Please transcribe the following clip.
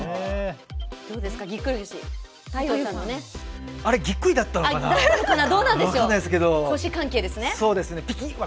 どうですか、ぎっくり腰は。